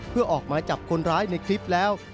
เพื่อออกมาจับคนร้ายในคลิปแล้ว